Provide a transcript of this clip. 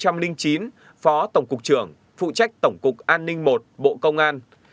tháng năm năm hai nghìn chín phó tổng cục trưởng phụ trách tổng cục an ninh i bộ công an